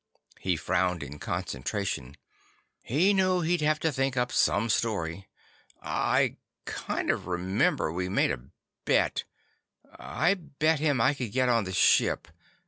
He frowned in concentration. He knew he'd have to think up some story. "I kind of remember we made a bet. I bet him I could get on the ship.